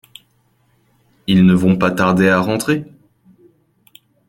Ils ne vont pas tarder à rentrer ?